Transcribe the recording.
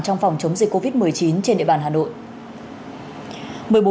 trong phòng chống dịch covid một mươi chín trên địa bàn hà nội